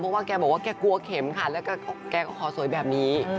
เพราะว่าแกบอกว่าแกกลัวเข็มค่ะแล้วก็แกก็ขอสวยแบบนี้